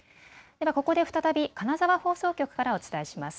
ここで再び金沢放送局からお伝えします。